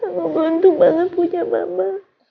aku beruntung banget punya mama